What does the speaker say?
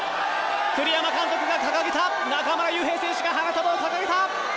栗山監督が掲げた中村悠平選手、花束を掲げた！